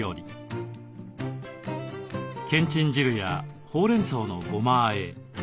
けんちん汁やほうれんそうのごま